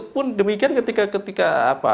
pun demikian ketika ketika